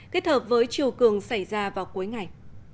kết hợp với chiều cường xảy ra vào cuối ngày